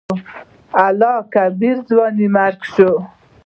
الله کبيره !ځواني مرګ شې.